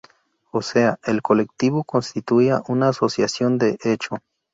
O sea, el colectivo constituía una asociación de hecho.